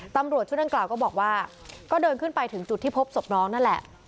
ตำรวจชุดดังกล่าวก็บอกว่าก็เดินขึ้นไปถึงจุดที่พบศพน้องนั่นแหละ